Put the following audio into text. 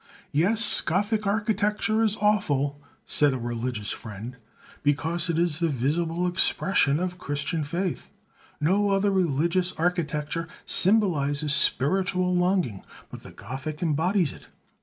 "Yes, Gothic architecture is awful," said a religious friend, "because it is the visible expression of Christian faith. No other religious architecture symbolizes spiritual longing; but the Gothic embodies it.